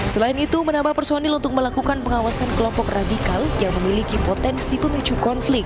selain itu menambah personil untuk melakukan pengawasan kelompok radikal yang memiliki potensi pemicu konflik